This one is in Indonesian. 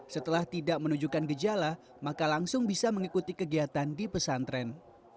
setelah tidak menunjukkan gejala maka langsung bisa mengikuti kegiatan di pesantren